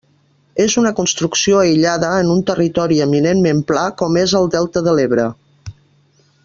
És una construcció aïllada en un territori eminentment pla com és el delta de l'Ebre.